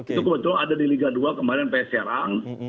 itu kebetulan ada di liga dua kemarin psrang